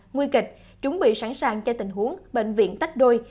nguy kịch chuẩn bị sẵn sàng cho tình huống bệnh viện tách đôi